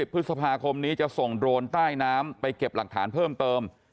พฤษภาคมนี้จะส่งโดรนใต้น้ำไปเก็บหลักฐานเพิ่มเติม